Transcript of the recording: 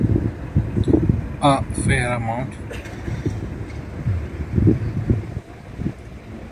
A fair amount.